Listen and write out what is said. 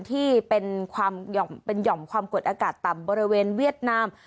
ที่เป็นความเป็นหย่อมความกดอากาศต่ำบริเวณเวียดนาม